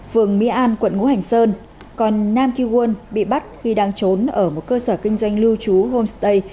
phường my an quận ngũ hành sơn còn nam ki won bị bắt khi đang trốn ở một cơ sở kinh doanh lưu trú homestay